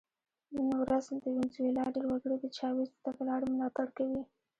نن ورځ د وینزویلا ډېر وګړي د چاوېز د تګلارې ملاتړ کوي.